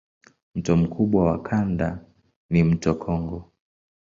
Mto mkubwa wa kanda ni mto Kongo.